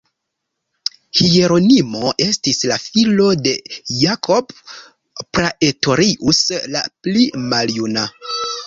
Hieronimo estis la filo de Jacob Praetorius la pli maljuna.